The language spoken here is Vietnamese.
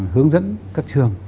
hướng dẫn các trường